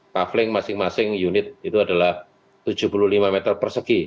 kafling masing masing unit itu adalah tujuh puluh lima meter persegi